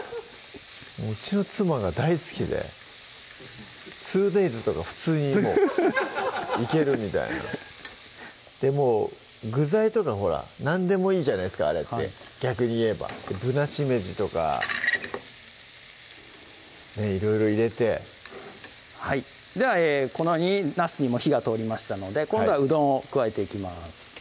うちの妻が大好きで２デイズとか普通にもういけるみたいなもう具材とかほら何でもいいじゃないっすかあれって逆に言えばぶなしめじとかいろいろ入れてではこのようになすにも火が通りましたので今度はうどんを加えていきます